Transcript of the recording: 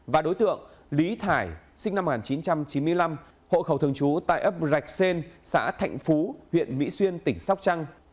và đối tượng lý thải sinh năm một nghìn chín trăm chín mươi năm hộ khẩu thường trú tại ấp rạch xên xã thạnh phú huyện mỹ xuyên tỉnh sóc trăng